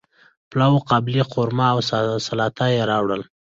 پلاو، قابلی، قورمه او سلاطه یی راوړل